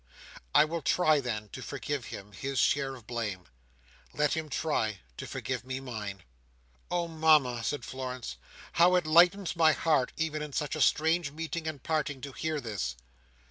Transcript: I will try, then, to forgive him his share of blame. Let him try to forgive me mine!" "Oh Mama!" said Florence. "How it lightens my heart, even in such a strange meeting and parting, to hear this!"